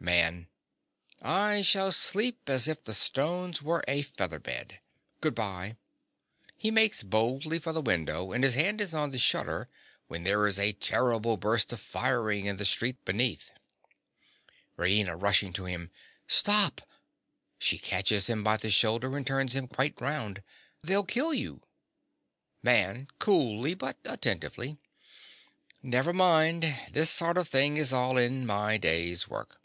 MAN. I shall sleep as if the stones were a feather bed. Good bye. (_He makes boldly for the window, and his hand is on the shutter when there is a terrible burst of firing in the street beneath._) RAINA. (rushing to him). Stop! (She catches him by the shoulder, and turns him quite round.) They'll kill you. MAN. (coolly, but attentively). Never mind: this sort of thing is all in my day's work.